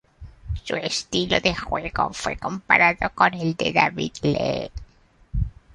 Su estilo de juego fue comparado con el de David Lee.